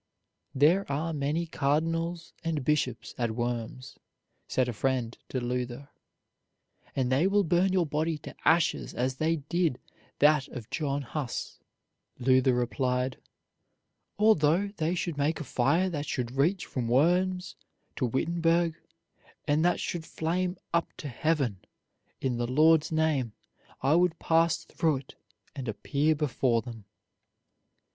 "There are many cardinals and bishops at Worms," said a friend to Luther, "and they will burn your body to ashes as they did that of John Huss." Luther replied: "Although they should make a fire that should reach from Worms to Wittenberg, and that should flame up to heaven, in the Lord's name I would pass through it and appear before them."